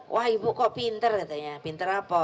wah ibu kok pinter katanya pinter apa